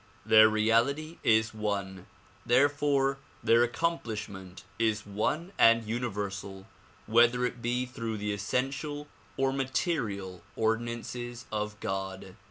Their reality is one, therefore their accomplishment is one and universal whether it be through the essential or material ordinances of God.